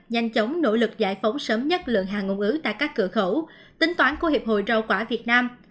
nhanh chóng nỗ lực giải phóng sớm nhất lượng hàng ngôn ngữ tại các cửa khẩu tính toán của hiệp hội rau quả việt nam